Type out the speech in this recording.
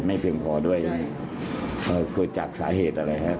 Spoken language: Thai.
ไม่เพียงพอด้วยเกิดจากสาเหตุอะไรครับ